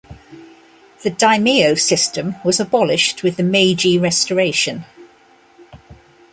The "daimyo" system was abolished with the Meiji Restoration.